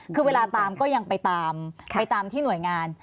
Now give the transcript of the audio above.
คือเวลาตามก็ยังไปตามไปตามที่หน่วยงาน